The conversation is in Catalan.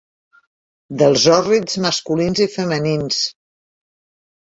Dels hòrrids masculins i femenins!